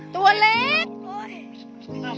ตัวเล็ก